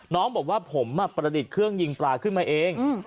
น้องบอกว่าผมประดิษฐ์เครื่องยิงปลาขึ้นมาเอง